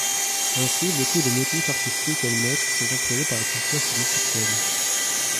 Ainsi, beaucoup de motifs artistiques olmèques sont employés par la culture qui lui succède.